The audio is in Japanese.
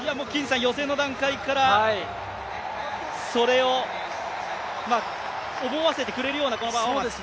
予選の段階から、それを思わせてくれるようなこのパフォーマンス。